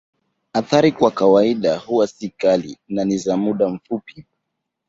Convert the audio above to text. Athari kwa kawaida huwa si kali na ni za muda mfupi.